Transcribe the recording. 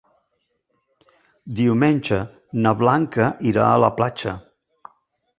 Diumenge na Blanca irà a la platja.